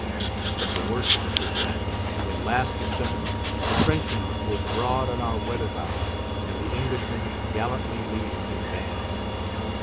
But the worst of it was that, when last discerned, the Frenchman was broad on our weather bow, and the Englishman gallantly leading his van.